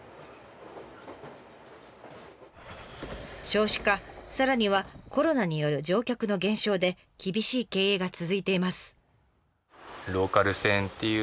少子化さらにはコロナによる乗客の減少で厳しい経営が続いています。